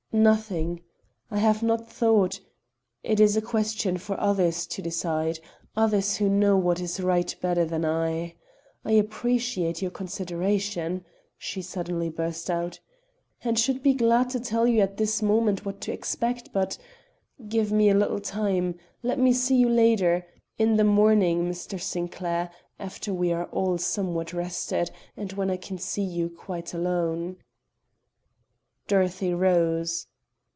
"Nothing. I have not thought it is a question for others to decide others who know what is right better than I. I appreciate your consideration," she suddenly burst out "and should be glad to tell you at this moment what to expect; but give me a little time let me see you later in the morning, Mr. Sinclair, after we are all somewhat rested and when I can see you quite alone." Dorothy rose.